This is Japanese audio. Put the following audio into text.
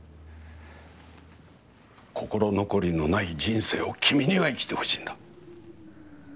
心残りのない人生を君には生きてほしいんだ。